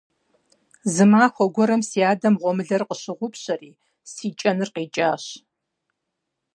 Зы махуэ гуэрым си адэм гъуэмылэр къыщыгъупщэри, си кӀэныр къикӀащ.